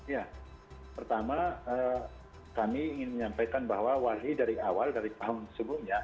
ya pertama kami ingin menyampaikan bahwa wali dari awal dari tahun sebelumnya